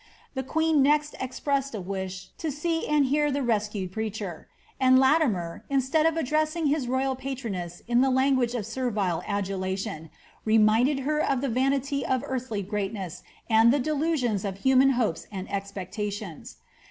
The queen next expressed a wish to see and hear the rescued preacher ; and Latimer, instead of addressing his royal patroness in the language of serrile adulation, re minded her of the vanity of earthly greatness and the delusions of hnman hopes and expectations.